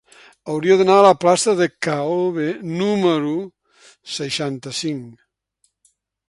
Hauria d'anar a la plaça de K-obe número seixanta-cinc.